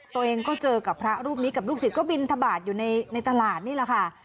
ตัวเองก็เจอกับพระรูปนี้กับลูกศิษย์บินทบาทอยู่ในตลาดนี่แหละค่ะ